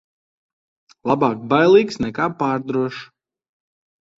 Labāk bailīgs nekā pārdrošs.